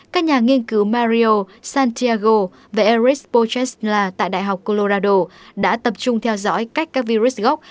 các nhà nghiên cứu mario santiago và erics pochesla tại đại học colorado đã tập trung theo dõi cách các virus gốc